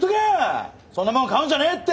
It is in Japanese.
そんなもん買うんじゃねえって！